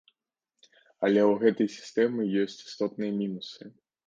Але ў гэтай сістэмы ёсць істотныя мінусы.